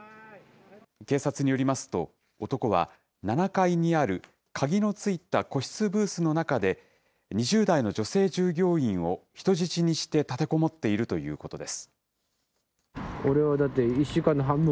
警察によりますと、男は７階にある鍵の付いた個室ブースの中で、２０代の女性従業員を人質にして立てこもっているということです。